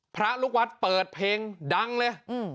พระลูกวัดเปิดเพลงดังเลย